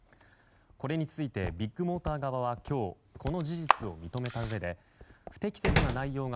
これについてビッグモーター側は今日この事実を認めたうえで不適切な内容が